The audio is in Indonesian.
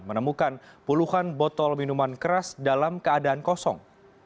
menemukan puluhan botol minuman keras dalam keadaan kosong